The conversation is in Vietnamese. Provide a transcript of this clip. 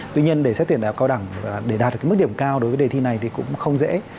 tuy nhiên để xét tuyển đại học cao đẳng để đạt được cái mức điểm cao đối với đề thi này thì cũng không dễ